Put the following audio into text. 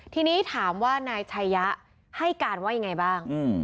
ทีนี้ถามว่านายชัยยะให้การว่ายังไงบ้าง